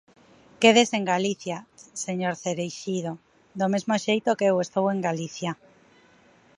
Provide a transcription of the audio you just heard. Quédese en Galicia, señor Cereixido, do mesmo xeito que eu estou en Galicia.